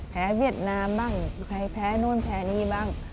เวียดนามบ้างแพ้นู่นแพ้นี่บ้าง